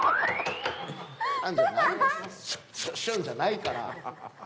じゃないから。